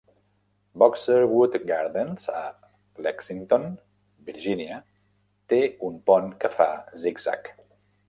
Boxerwood Gardens, a Lexington, Virginia té un pont que fa zig-zag.